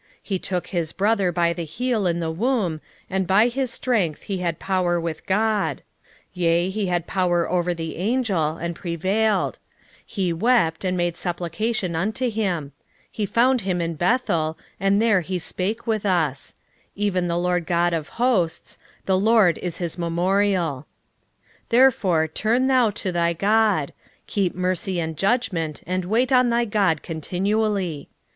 12:3 He took his brother by the heel in the womb, and by his strength he had power with God: 12:4 Yea, he had power over the angel, and prevailed: he wept, and made supplication unto him: he found him in Bethel, and there he spake with us; 12:5 Even the LORD God of hosts; the LORD is his memorial. 12:6 Therefore turn thou to thy God: keep mercy and judgment and wait on thy God continually.